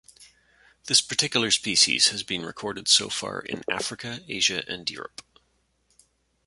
This particular species has been recorded so far in Africa, Asia and Europe.